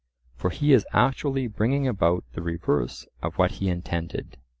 For he is actually bringing about the reverse of what he intended.